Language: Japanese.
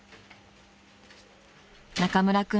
［中村君